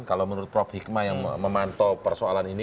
kalau menurut prof hikmah yang memantau persoalan ini